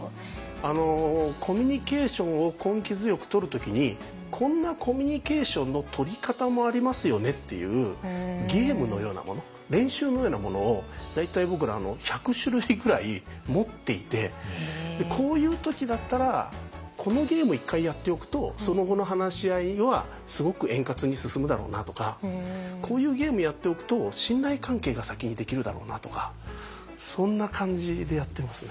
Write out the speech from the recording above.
コミュニケーションを根気強くとる時にこんなコミュニケーションのとり方もありますよねっていうゲームのようなもの練習のようなものを大体僕ら１００種類ぐらい持っていてこういう時だったらこのゲーム一回やっておくとその後の話し合いはすごく円滑に進むだろうなとかこういうゲームやっておくと信頼関係が先にできるだろうなとかそんな感じでやってますね。